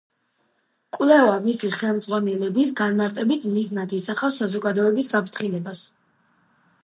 კვლევა, მისი ხელმძღვანელების განმარტებით, მიზნად ისახავს საზოგადოების გაფრთხილებას.